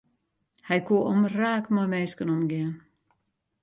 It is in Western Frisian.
Hy koe omraak mei minsken omgean.